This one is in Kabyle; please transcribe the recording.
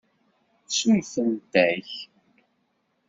Surfent-ak?